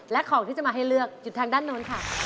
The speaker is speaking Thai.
และของที่จะมาให้เลือกอยู่ทางด้านโน้นค่ะ